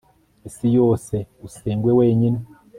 isi yose usengwe wenyine